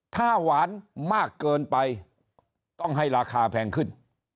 ถ้าหวานมากเกินไปต้องให้ราคาแพงขึ้น